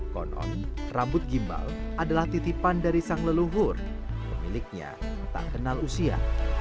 konon rambut gimbal adalah titipan dari sang leluhur pemiliknya tak kenal usia